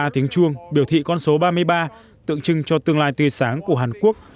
ba tiếng chuông biểu thị con số ba mươi ba tượng trưng cho tương lai tươi sáng của hàn quốc